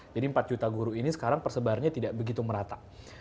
jadi empat juta guru ini sekarang persebarannya tidak begitu merata